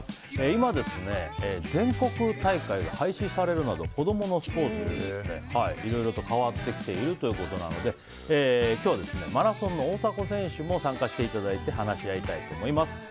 今、全国大会が廃止されるなど子供のスポーツいろいろと変わってきているということなので今日はマラソンの大迫選手も参加していただいて話し合いたいと思います。